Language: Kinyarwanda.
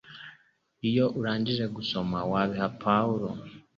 Iyo urangije gusoma wabiha Pawulo?